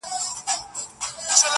او درد د تجربې برخه ده,